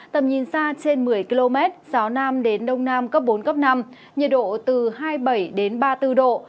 tầm nhìn xa trên một mươi km gió nam đến đông nam cấp bốn cấp năm nhiệt độ từ hai mươi bảy đến ba mươi bốn độ